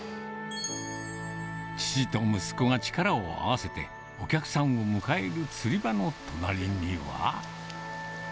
父と息子が力を合わせて、お客さんを迎える釣場の隣には。